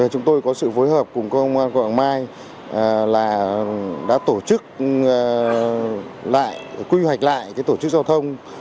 chúng tôi có sự phối hợp cùng công an quảng mai là đã tổ chức lại quy hoạch lại tổ chức giao thông